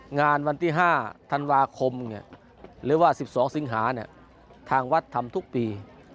งานวันที่๕ทันวาคม๑๒สิงหาทางวัดทำทุกปี